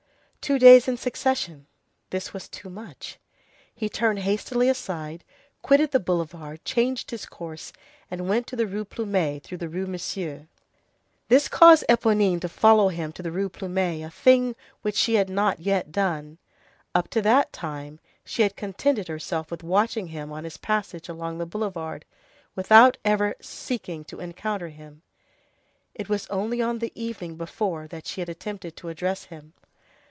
Two days in succession—this was too much. He turned hastily aside, quitted the boulevard, changed his course and went to the Rue Plumet through the Rue Monsieur. This caused Éponine to follow him to the Rue Plumet, a thing which she had not yet done. Up to that time, she had contented herself with watching him on his passage along the boulevard without ever seeking to encounter him. It was only on the evening before that she had attempted to address him.